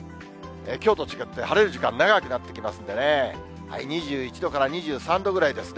きょうと違って晴れる時間、長くなってきますんでね、２１度から２３度くらいですね。